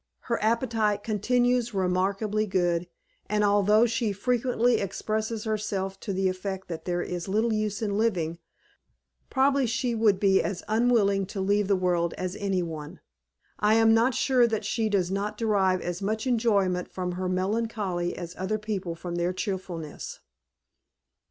Her appetite continues remarkably good, and although she frequently expresses herself to the effect that there is little use in living, probably she would be as unwilling to leave the world as any one. I am not sure that she does not derive as much enjoyment from her melancholy as other people from their cheerfulness.